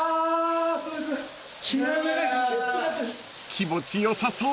［気持ち良さそう］